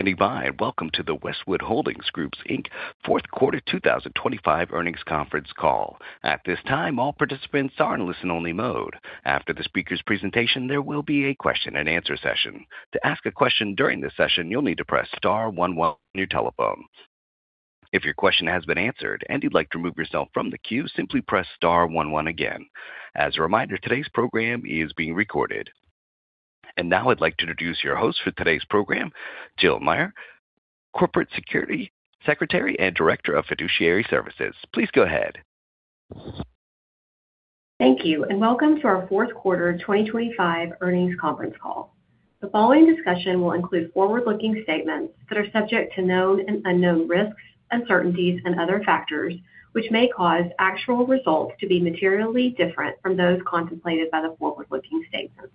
Good evening, and welcome to the Westwood Holdings Group, Inc. Fourth Quarter 2025 Earnings Conference Call. At this time, all participants are in listen-only mode. After the speaker's presentation, there will be a question and answer session. To ask a question during this session, you'll need to press star one one on your telephone. If your question has been answered and you'd like to remove yourself from the queue, simply press star one one again. As a reminder, today's program is being recorded. And now I'd like to introduce your host for today's program, Jill Meyer, Corporate Secretary, and Director of Fiduciary Services. Please go ahead. Thank you, and welcome to our Fourth Quarter 2025 Earnings Conference Call. The following discussion will include forward-looking statements that are subject to known and unknown risks, uncertainties, and other factors, which may cause actual results to be materially different from those contemplated by the forward-looking statements.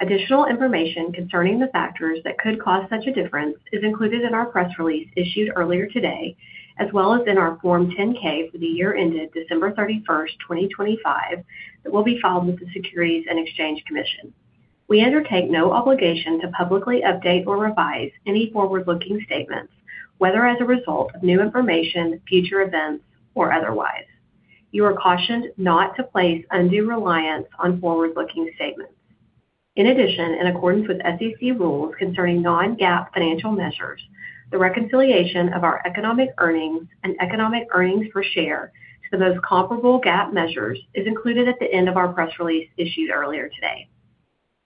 Additional information concerning the factors that could cause such a difference is included in our press release issued earlier today, as well as in our Form 10-K for the year ended December 31st, 2025, that will be filed with the Securities and Exchange Commission. We undertake no obligation to publicly update or revise any forward-looking statements, whether as a result of new information, future events, or otherwise. You are cautioned not to place undue reliance on forward-looking statements. In addition, in accordance with SEC rules concerning non-GAAP financial measures, the reconciliation of our economic earnings and economic earnings per share to the most comparable GAAP measures is included at the end of our press release issued earlier today.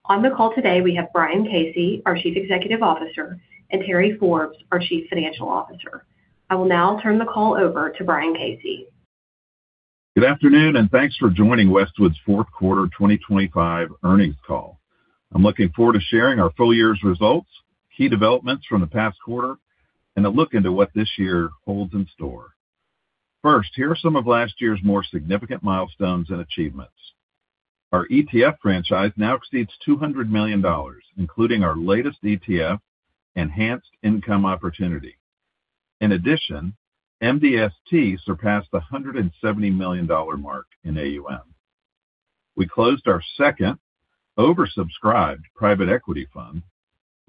On the call today, we have Brian Casey, our Chief Executive Officer, and Terry Forbes, our Chief Financial Officer. I will now turn the call over to Brian Casey. Good afternoon, and thanks for joining Westwood's Fourth Quarter 2025 Earnings Call. I'm looking forward to sharing our full year's results, key developments from the past quarter, and a look into what this year holds in store. First, here are some of last year's more significant milestones and achievements. Our ETF franchise now exceeds $200 million, including our latest ETF, Enhanced Income Opportunity. In addition, MDST surpassed the $170 million mark in AUM. We closed our second oversubscribed private equity fund,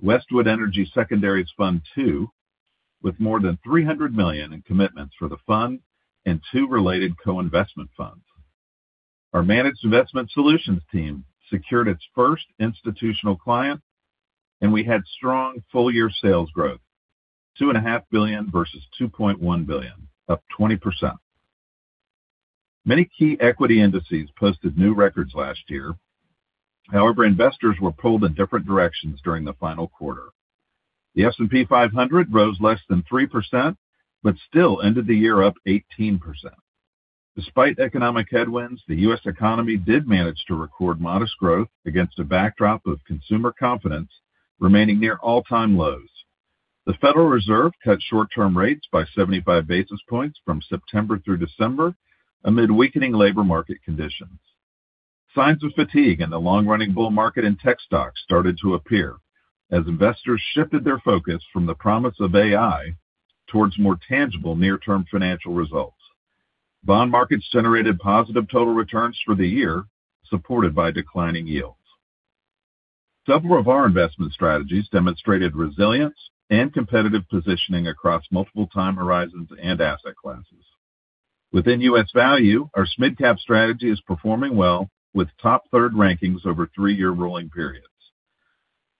Westwood Energy Secondaries Fund II, with more than $300 million in commitments for the fund and two related co-investment funds. Our Managed Investment Solutions team secured its first institutional client, and we had strong full-year sales growth, $2.5 billion versus $2.1 billion, up 20%. Many key equity indices posted new records last year. However, investors were pulled in different directions during the final quarter. The S&P 500 rose less than 3%, but still ended the year up 18%. Despite economic headwinds, the U.S. economy did manage to record modest growth against a backdrop of consumer confidence remaining near all-time lows. The Federal Reserve cut short-term rates by 75 basis points from September through December amid weakening labor market conditions. Signs of fatigue in the long-running bull market and tech stocks started to appear as investors shifted their focus from the promise of AI towards more tangible near-term financial results. Bond markets generated positive total returns for the year, supported by declining yields. Several of our investment strategies demonstrated resilience and competitive positioning across multiple time horizons and asset classes. Within U.S. value, our mid-cap strategy is performing well, with top third rankings over three-year rolling periods.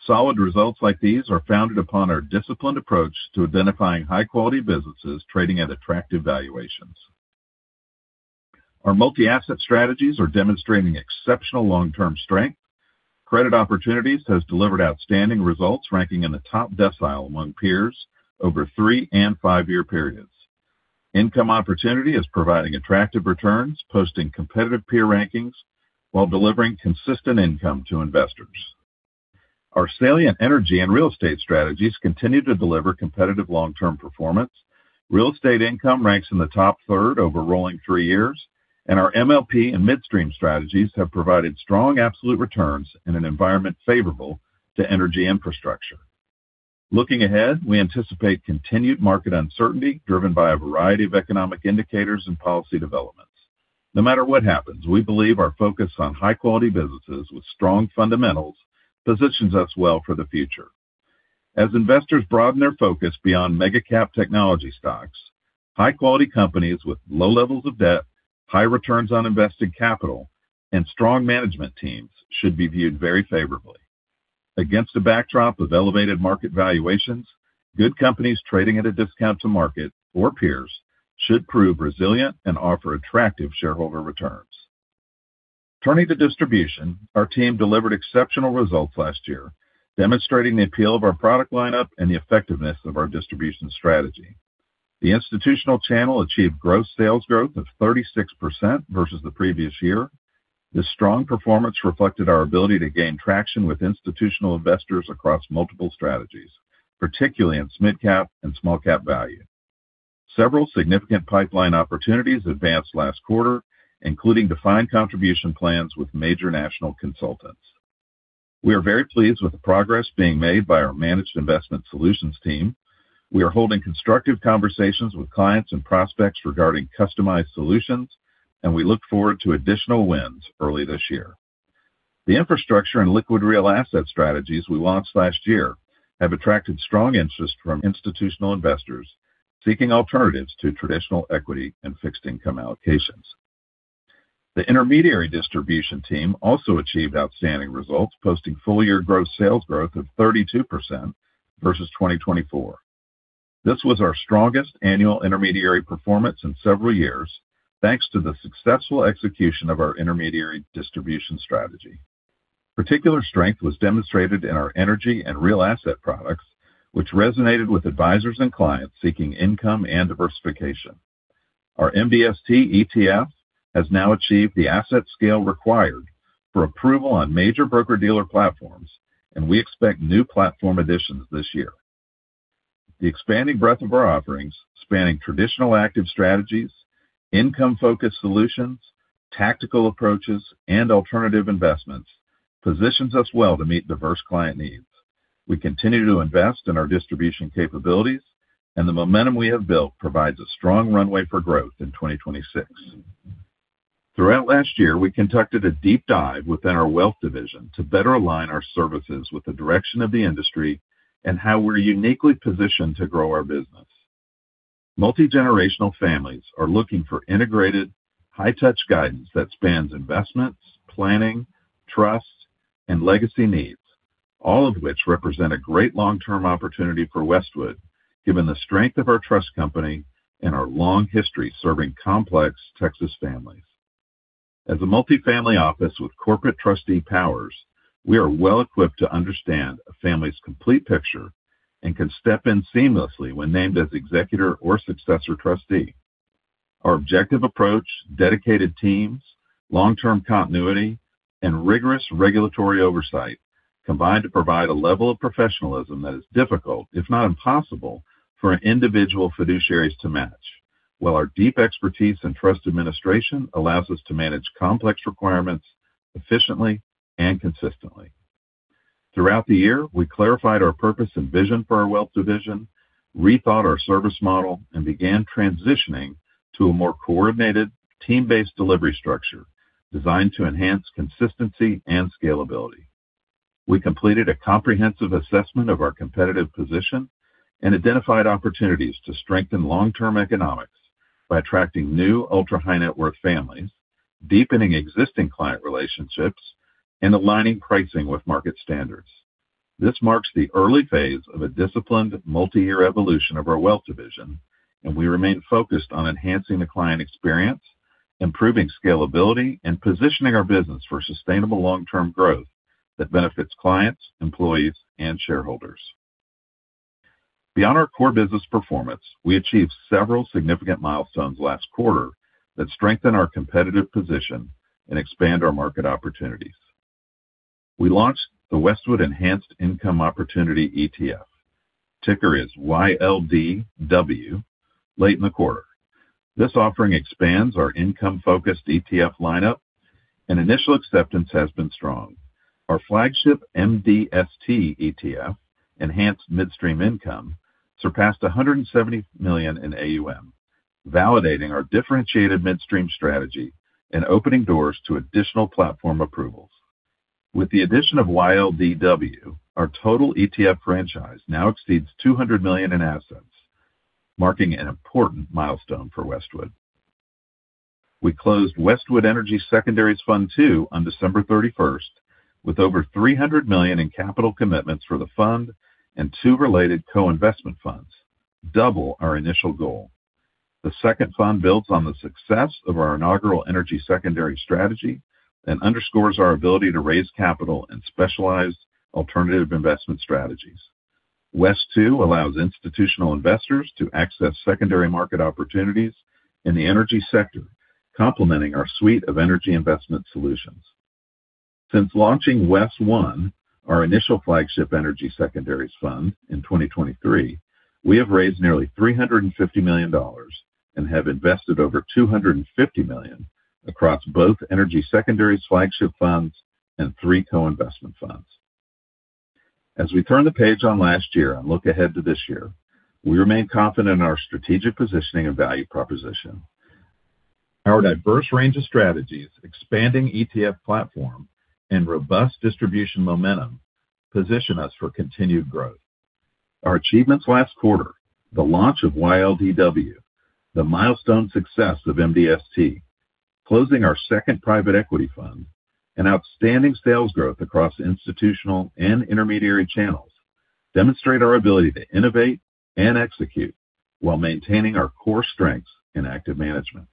Solid results like these are founded upon our disciplined approach to identifying high-quality businesses trading at attractive valuations. Our Multi-Asset strategies are demonstrating exceptional long-term strength. Credit Opportunities has delivered outstanding results, ranking in the top decile among peers over three and five-year periods. Income Opportunity is providing attractive returns, posting competitive peer rankings while delivering consistent income to investors. Our Salient Energy and Real Estate strategies continue to deliver competitive long-term performance. Real Estate Income ranks in the top third over rolling three years, and our MLP and midstream strategies have provided strong absolute returns in an environment favorable to energy infrastructure. Looking ahead, we anticipate continued market uncertainty driven by a variety of economic indicators and policy developments. No matter what happens, we believe our focus on high-quality businesses with strong fundamentals positions us well for the future. As investors broaden their focus beyond mega cap technology stocks, high-quality companies with low levels of debt, high returns on invested capital, and strong management teams should be viewed very favorably. Against a backdrop of elevated market valuations, good companies trading at a discount to market or peers should prove resilient and offer attractive shareholder returns. Turning to distribution, our team delivered exceptional results last year, demonstrating the appeal of our product lineup and the effectiveness of our distribution strategy. The institutional channel achieved gross sales growth of 36% versus the previous year. This strong performance reflected our ability to gain traction with institutional investors across multiple strategies, particularly in SMID-Cap and Small-Cap Value. Several significant pipeline opportunities advanced last quarter, including defined contribution plans with major national consultants. We are very pleased with the progress being made by our Managed Investment Solutions team. We are holding constructive conversations with clients and prospects regarding customized solutions, and we look forward to additional wins early this year. The infrastructure and liquid real asset strategies we launched last year have attracted strong interest from institutional investors seeking alternatives to traditional equity and fixed income allocations. The intermediary distribution team also achieved outstanding results, posting full-year gross sales growth of 32% versus 2024. This was our strongest annual intermediary performance in several years, thanks to the successful execution of our intermediary distribution strategy. Particular strength was demonstrated in our energy and real asset products, which resonated with advisors and clients seeking income and diversification. Our MDST ETF has now achieved the asset scale required for approval on major broker-dealer platforms, and we expect new platform additions this year. The expanding breadth of our offerings, spanning traditional active strategies, income-focused solutions, tactical approaches, and alternative investments, positions us well to meet diverse client needs. We continue to invest in our distribution capabilities, and the momentum we have built provides a strong runway for growth in 2026. Throughout last year, we conducted a deep dive within our wealth division to better align our services with the direction of the industry and how we're uniquely positioned to grow our business. Multigenerational families are looking for integrated, high-touch guidance that spans investments, planning, trust, and legacy needs, all of which represent a great long-term opportunity for Westwood, given the strength of our trust company and our long history serving complex Texas families. As a multifamily office with corporate trustee powers, we are well equipped to understand a family's complete picture and can step in seamlessly when named as executor or successor trustee. Our objective approach, dedicated teams, long-term continuity, and rigorous regulatory oversight combine to provide a level of professionalism that is difficult, if not impossible, for individual fiduciaries to match. While our deep expertise in trust administration allows us to manage complex requirements efficiently and consistently. Throughout the year, we clarified our purpose and vision for our wealth division, rethought our service model, and began transitioning to a more coordinated, team-based delivery structure designed to enhance consistency and scalability. We completed a comprehensive assessment of our competitive position and identified opportunities to strengthen long-term economics by attracting new ultra-high-net-worth families, deepening existing client relationships, and aligning pricing with market standards. This marks the early phase of a disciplined, multiyear evolution of our wealth division, and we remain focused on enhancing the client experience, improving scalability, and positioning our business for sustainable long-term growth that benefits clients, employees, and shareholders. Beyond our core business performance, we achieved several significant milestones last quarter that strengthen our competitive position and expand our market opportunities. We launched the Westwood Enhanced Income Opportunity ETF, ticker is YLDW, late in the quarter. This offering expands our income-focused ETF lineup, and initial acceptance has been strong. Our flagship MDST ETF, Enhanced Midstream Income, surpassed $170 million in AUM, validating our differentiated midstream strategy and opening doors to additional platform approvals. With the addition of YLDW, our total ETF franchise now exceeds $200 million in assets, marking an important milestone for Westwood. We closed Westwood Energy Secondaries Fund II on December 31st, with over $300 million in capital commitments for the fund and two related co-investment funds, double our initial goal. The second fund builds on the success of our inaugural energy secondary strategy and underscores our ability to raise capital in specialized alternative investment strategies. WES 2 allows institutional investors to access secondary market opportunities in the energy sector, complementing our suite of energy investment solutions. Since launching WES 1, our initial flagship energy secondaries fund, in 2023, we have raised nearly $350 million and have invested over $250 million across both energy secondaries flagship funds and three co-investment funds. As we turn the page on last year and look ahead to this year, we remain confident in our strategic positioning and value proposition. Our diverse range of strategies, expanding ETF platform, and robust distribution momentum position us for continued growth. Our achievements last quarter, the launch of YLDW, the milestone success of MDST, closing our second private equity fund, and outstanding sales growth across institutional and intermediary channels demonstrate our ability to innovate and execute while maintaining our core strengths in active management.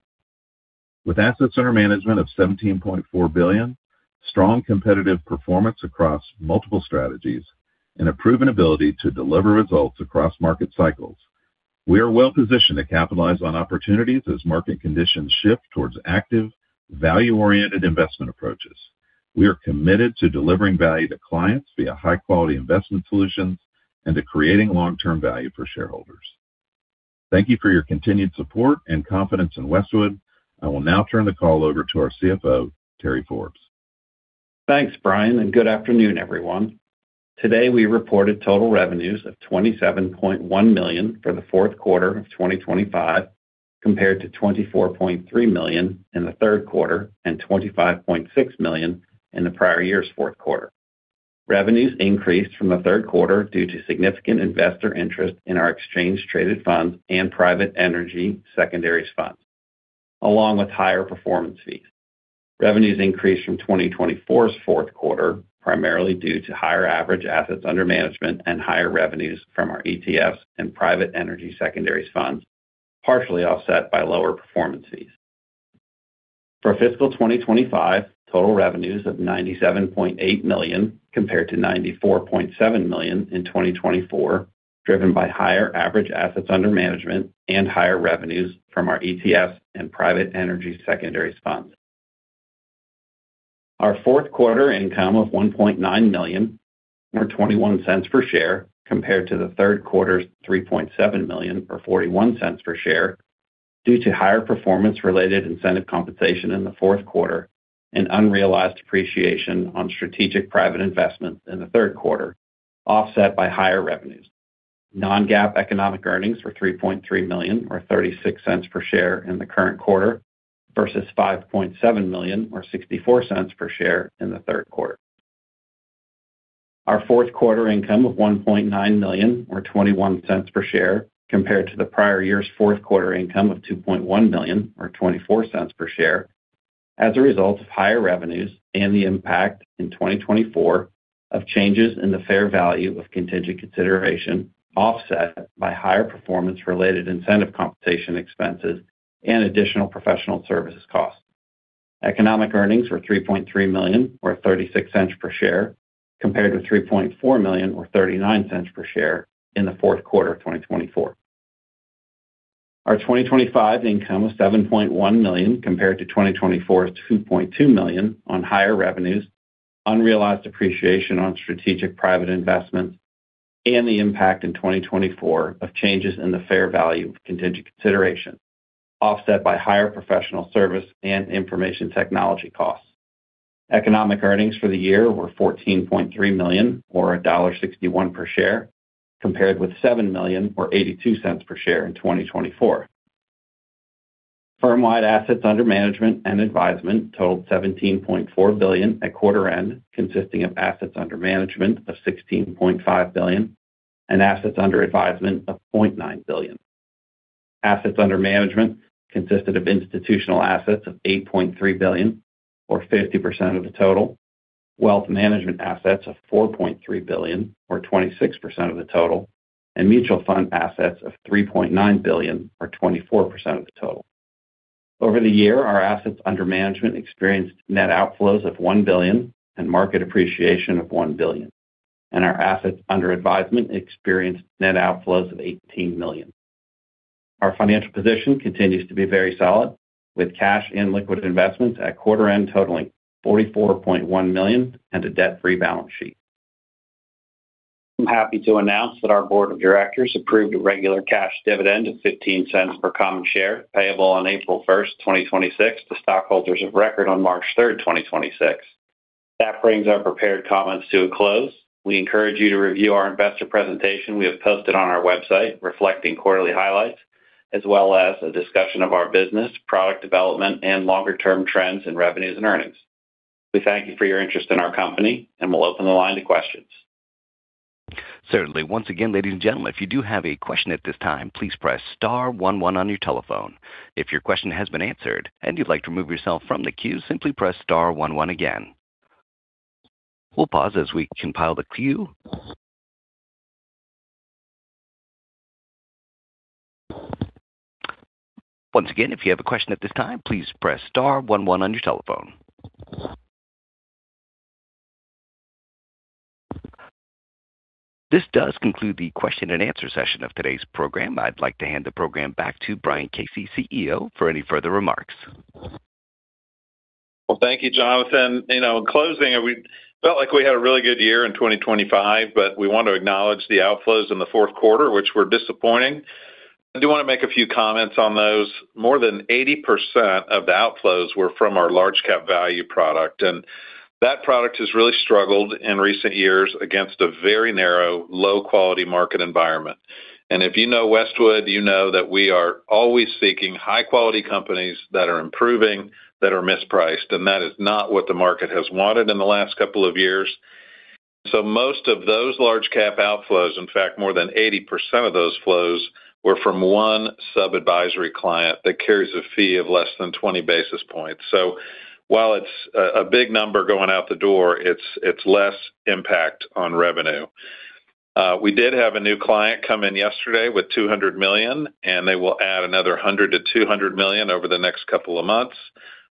With assets under management of $17.4 billion, strong competitive performance across multiple strategies, and a proven ability to deliver results across market cycles, we are well positioned to capitalize on opportunities as market conditions shift towards active, value-oriented investment approaches. We are committed to delivering value to clients via high-quality investment solutions and to creating long-term value for shareholders. Thank you for your continued support and confidence in Westwood. I will now turn the call over to our CFO, Terry Forbes. Thanks, Brian, and good afternoon, everyone. Today, we reported total revenues of $27.1 million for the fourth quarter of 2025, compared to $24.3 million in the third quarter and $25.6 million in the prior year's fourth quarter. Revenues increased from the third quarter due to significant investor interest in our exchange traded funds and private energy secondaries funds, along with higher performance fees. Revenues increased from 2024's fourth quarter, primarily due to higher average assets under management and higher revenues from our ETFs and private energy secondaries funds, partially offset by lower performance fees. For fiscal 2025, total revenues of $97.8 million, compared to $94.7 million in 2024, driven by higher average assets under management and higher revenues from our ETFs and private energy secondaries funds. Our fourth quarter income of $1.9 million, or $0.21 per share, compared to the third quarter's $3.7 million, or $0.41 per share, due to higher performance-related incentive compensation in the fourth quarter and unrealized appreciation on strategic private investments in the third quarter, offset by higher revenues. Non-GAAP economic earnings were $3.3 million, or $0.36 per share in the current quarter versus $5.7 million or $0.64 per share in the third quarter. Our fourth quarter income of $1.9 million, or $0.21 per share, compared to the prior year's fourth quarter income of $2.1 million or $0.24 per share, as a result of higher revenues and the impact in 2024 of changes in the fair value of contingent consideration, offset by higher performance-related incentive compensation expenses and additional professional services costs. Economic earnings were $3.3 million, or $0.36 per share, compared with $3.4 million, or $0.39 per share in the fourth quarter of 2024. Our 2025 income of $7.1 million, compared to 2024's $2.2 million on higher revenues, unrealized appreciation on strategic private investments, and the impact in 2024 of changes in the fair value of contingent consideration, offset by higher professional service and information technology costs. Economic earnings for the year were $14.3 million, or $1.61 per share, compared with $7 million or $0.82 per share in 2024. Firm-wide assets under management and advisement totaled $17.4 billion at quarter end, consisting of assets under management of $16.5 billion and assets under advisement of $0.9 billion. Assets under management consisted of institutional assets of $8.3 billion, or 50% of the total, wealth management assets of $4.3 billion, or 26% of the total, and mutual fund assets of $3.9 billion, or 24% of the total. Over the year, our assets under management experienced net outflows of $1 billion and market appreciation of $1 billion, and our assets under advisement experienced net outflows of $18 million. Our financial position continues to be very solid, with cash and liquid investments at quarter end totaling $44.1 million and a debt-free balance sheet. I'm happy to announce that our Board of Directors approved a regular cash dividend of $0.15 per common share, payable on April 1st, 2026, to stockholders of record on March 3rd, 2026. That brings our prepared comments to a close. We encourage you to review our investor presentation we have posted on our website, reflecting quarterly highlights, as well as a discussion of our business, product development, and longer-term trends in revenues and earnings. We thank you for your interest in our company, and we'll open the line to questions. Certainly. Once again, ladies and gentlemen, if you do have a question at this time, please press star one one on your telephone. If your question has been answered and you'd like to remove yourself from the queue, simply press star one one again. We'll pause as we compile the queue. Once again, if you have a question at this time, please press star one one on your telephone. This does conclude the question and answer session of today's program. I'd like to hand the program back to Brian Casey, CEO, for any further remarks. Well, thank you, Jonathan. You know, in closing, we felt like we had a really good year in 2025, but we want to acknowledge the outflows in the fourth quarter, which were disappointing. I do want to make a few comments on those. More than 80% of the outflows were from our Large Cap Value product, and that product has really struggled in recent years against a very narrow, low-quality market environment. If you know Westwood, you know that we are always seeking high-quality companies that are improving, that are mispriced, and that is not what the market has wanted in the last couple of years. Most of those Large Cap outflows, in fact, more than 80% of those flows, were from one sub-advisory client that carries a fee of less than 20 basis points. So while it's a big number going out the door, it's less impact on revenue. We did have a new client come in yesterday with $200 million, and they will add another $100 million-$200 million over the next couple of months.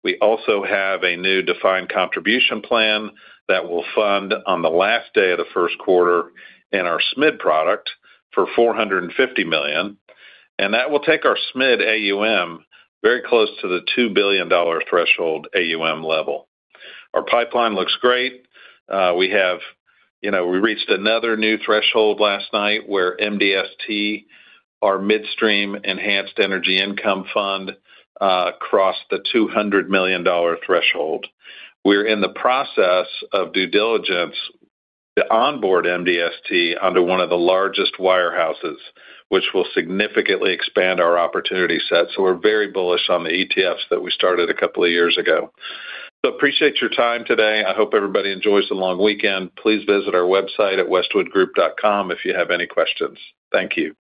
We also have a new defined contribution plan that will fund on the last day of the first quarter in our SMID product for $450 million, and that will take our SMID AUM very close to the $2 billion threshold AUM level. Our pipeline looks great. We have. You know, we reached another new threshold last night where MDST, our Midstream Enhanced Energy Income Fund, crossed the $200 million threshold. We're in the process of due diligence to onboard MDST under one of the largest wirehouses, which will significantly expand our opportunity set. So we're very bullish on the ETFs that we started a couple of years ago. Appreciate your time today. I hope everybody enjoys the long weekend. Please visit our website at westwoodgroup.com if you have any questions. Thank you.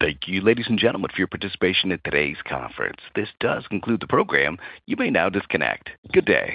Thank you, ladies and gentlemen, for your participation in today's conference. This does conclude the program. You may now disconnect. Good day.